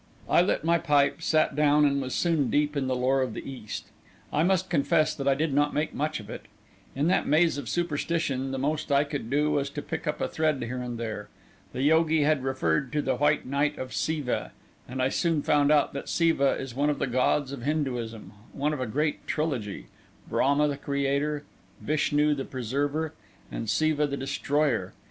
I lit my pipe, sat down, and was soon deep in the lore of the East. I must confess that I did not make much of it. In that maze of superstition, the most I could do was to pick up a thread here and there. The yogi had referred to the White Night of Siva, and I soon found out that Siva is one of the gods of Hinduism one of a great trilogy: Brahma the creator, Vishnu the preserver, and Siva the destroyer.